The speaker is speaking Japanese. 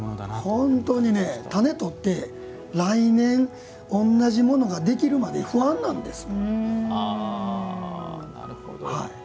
本当に種を取って来年、同じものができるまで不安なんです。